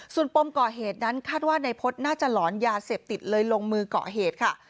ส่วนปมก่อเหตุนั้นคาดว่านายพฤษน่าจะหลอนยาเสพติดเลยลงมือก่อเหตุค่ะ